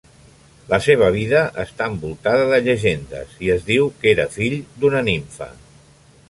La seva vida està envoltada de llegendes, i es diu que era fill d'una nimfa.